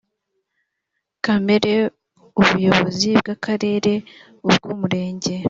kamere ubuyobozi bw akarere ubw umurenge